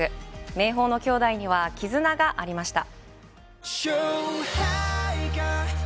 明豊のきょうだいには絆がありました。